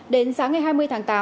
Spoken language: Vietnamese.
đến sáng ngày hai mươi tháng tám